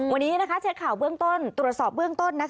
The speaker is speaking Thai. วันนี้เช็คข่าวเบื้องต้นตรวจสอบเบื้องต้น